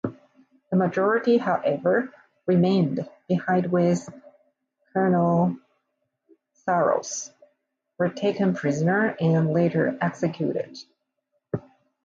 The majority however remained behind with Colonel Psarros, were taken prisoner and later executed.